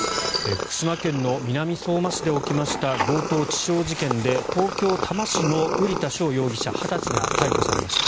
福島県南相馬市で起きました強盗致傷事件で東京・多摩市の瓜田翔容疑者、２０歳が逮捕されました。